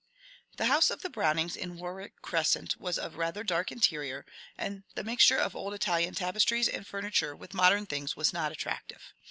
The house of the Brownings in Warwick Crescent was of rather dark interior, and the mixture of old Italian tapestries and furniture with modem things was not attractive.